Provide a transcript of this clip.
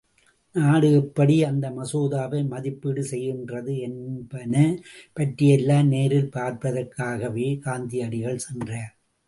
நாடு எப்படி அந்த மசோதாவை மதிப்பீடு செய்கின்றது என்பன பற்றியெல்லாம் நேரில் பார்ப்பதற்காகவே காந்தியடிகள் சென்றார்.